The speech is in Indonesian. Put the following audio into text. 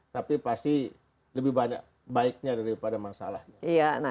tapi pasti lebih banyak baiknya daripada masalahnya